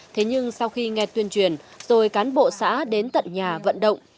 thế nhưng sau khi nghe tuyên truyền rồi cán bộ xã đến tận nhà vận động